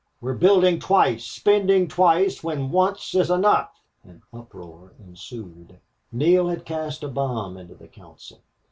We're building twice spending twice when once is enough!" An uproar ensued. Neale had cast a bomb into the council.